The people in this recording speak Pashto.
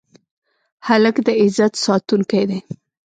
هلک د عزت ساتونکی دی.